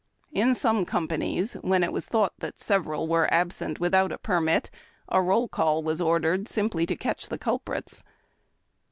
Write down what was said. In some companies, when it was thought that several were absent without a permit, a roll call was ordered simply to catcli the culprits.